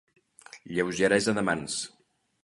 Lleugeresa de mans.